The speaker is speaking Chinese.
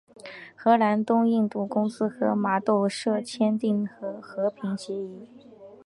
荷兰东印度公司和麻豆社签订的和平协约。